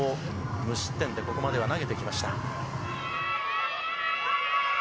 無失点でここまでは投げてきました。